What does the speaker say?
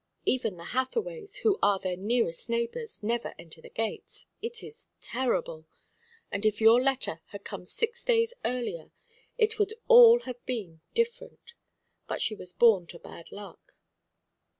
Even the Hathaways, who are their nearest neighbours, never enter the gates. It is terrible! And if your letter had come six days earlier, it would all have been different. But she was born to bad luck."